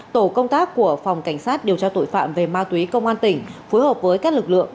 tổ công tác của phòng cảnh sát điều tra tội phạm về ma túy công an tỉnh phối hợp với các lực lượng